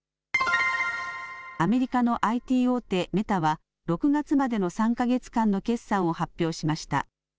アメリカのＩＴ大手、メタは６月までの３か月間の決算を発表しました。